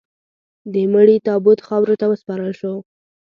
د مړي تابوت خاورو ته وسپارل شو.